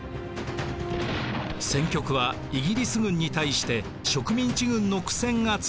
戦局はイギリス軍に対して植民地軍の苦戦が続いていました。